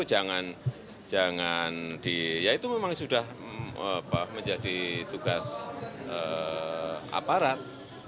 jangan di ya itu memang sudah menjadi tugas aparat